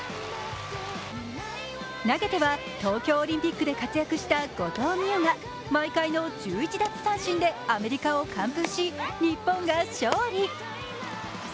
投げては、東京オリンピックで活躍した後藤希友が毎回の１１奪三振でアメリカを完封し、日本が勝利。